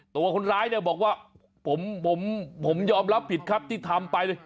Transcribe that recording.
ตัวคนร้ายเนี่ยบอกว่าผมยอมรับผิดครับที่ทำไป